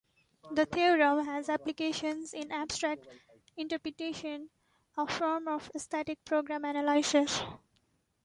The theorem has applications in abstract interpretation, a form of static program analysis.